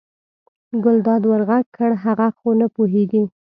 ګلداد ور غږ کړل هغه خو نه پوهېږي.